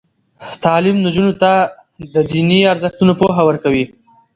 تعلیم نجونو ته د دیني ارزښتونو پوهه ورکوي.